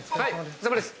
お疲れさまです。